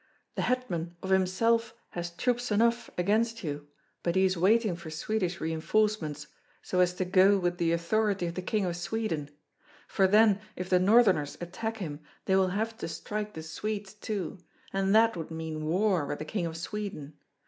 The hetman of himself has troops enough against you, but he is waiting for Swedish reinforcements, so as to go with the authority of the King of Sweden; for then if the Northerners attack him they will have to strike the Swedes too, and that would mean war with the King of Sweden.